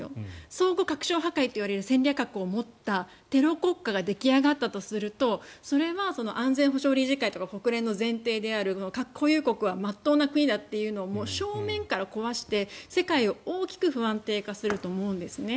相互確証破壊という戦略核を持ったテロ国家が出来上がったとするとそれは安全保障理事会とか国連の前提である核保有国は真っ当な国だというのを正面から壊して世界を大きく不安定化すると思うんですね。